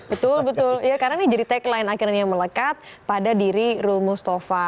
betul betul karena ini cerita yang lain akhirnya melekat pada diri rul mustafa